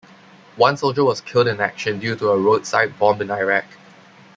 One soldier was killed in action due to a roadside bomb in Iraq.